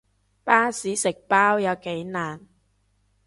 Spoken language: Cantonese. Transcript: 巴士食包有幾難